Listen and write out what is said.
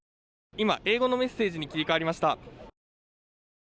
今、英語のメッセージに切り替わりました。